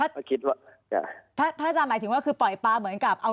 ภายจารย์หมายถึงว่าคือปล่อยปลา